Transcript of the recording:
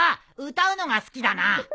歌うのが好きだな。